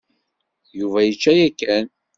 Yuba yečča yakan.